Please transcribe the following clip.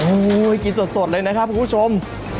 โอ้โหกินสดเลยนะครับคุณผู้ชม